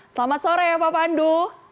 selamat sore ya bapak pandu